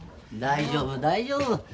大丈夫大丈夫。